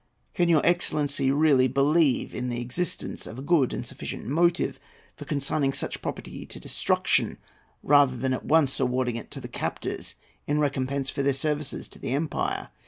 Can your excellency really believe in the existence of a good and sufficient motive for consigning such property to destruction, rather than at once awarding it to the captors in recompense for their services to the empire?